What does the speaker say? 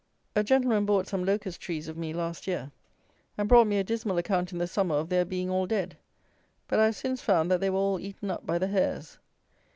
A gentleman bought some locust trees of me last year, and brought me a dismal account in the summer of their being all dead; but I have since found that they were all eaten up by the hares.